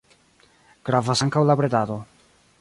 Gravas ankaŭ la bredado.